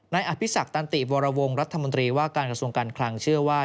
อภิษักตันติวรวงรัฐมนตรีว่าการกระทรวงการคลังเชื่อว่า